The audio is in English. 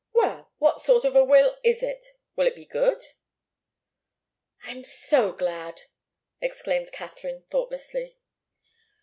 "Well what sort of a will is it? Will it be good?" "I'm so glad!" exclaimed Katharine, thoughtlessly.